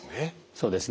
そうですね